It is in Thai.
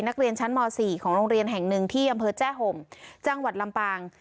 นักเรียนชั้นม๔ของโรงเรียนแห่งหนึ่งที่อำเภอแจ้ห่มจังหวัดลำปาง